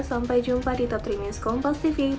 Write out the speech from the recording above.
sampai jumpa di top tiga news kompas tv berikutnya